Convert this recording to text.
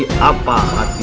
dan aku kgalai dan aku ha hati